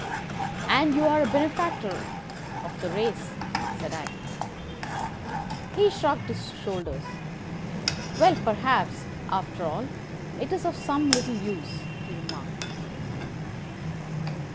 "And you are a benefactor of the race," said I. He shrugged his shoulders. "Well, perhaps, after all, it is of some little use," he remarked.